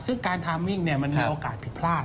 ซึ่งการทามวิ่งมันมีโอกาสผิดพลาด